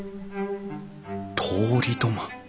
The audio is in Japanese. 通り土間！